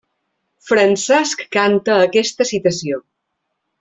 Francesc canta aquesta citació.